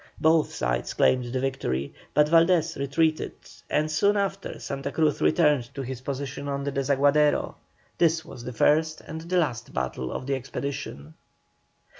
Both sides claimed the victory, but Valdés retreated, and soon after Santa Cruz returned to his position on the Desaguadero. This was the first and last battle of the expedition.